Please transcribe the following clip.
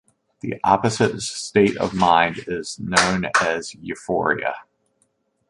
The opposite state of mind is known as euphoria.